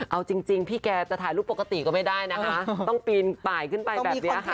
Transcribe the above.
เอาจริงพี่แกจะถ่ายรูปปกติก็ไม่ได้นะคะต้องปีนป่ายขึ้นไปแบบนี้ค่ะ